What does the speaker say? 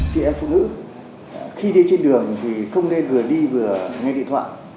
chị em phụ nữ khi đi trên đường thì không nên vừa đi vừa nghe điện thoại